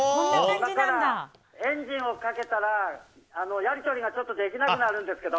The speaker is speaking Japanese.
今からエンジンをかけたらやり取りができなくなるんですけど。